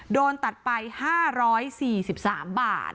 โดนตัดไป๕๔๓บาท